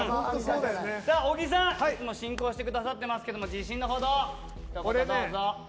小木さん、いつも進行してくださっていますけど自信のほどをどうぞ。